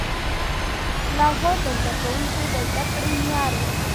لوحه د زده کوونکو د زده کړې معیار و.